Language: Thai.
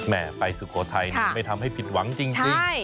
แม่ไปสุโขทัยค่ะไปทำให้ผิดหวังจริงจริงใช่